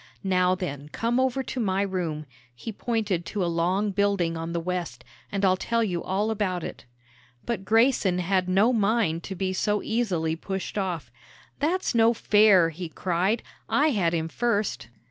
"Now, then, come over to my room," he pointed to a long building on the west, "and I'll tell you all about it." But Grayson had no mind to be so easily pushed off. "That's no fair," he cried; "I had him first."